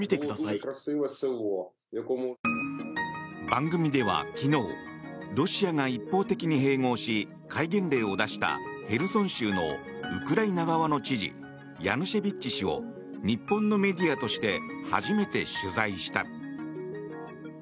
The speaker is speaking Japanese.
番組では昨日、ロシアが一方的に併合し、戒厳令を出したヘルソン州のウクライナ側の知事ヤヌシェビッチ氏を日本のメディアとして初めて取材した。